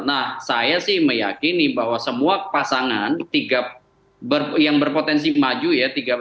nah saya sih meyakini bahwa semua pasangan yang berpotensi maju ya